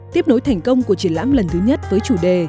tiếp nối thành công của triển lãm lần thứ nhất với chủ đề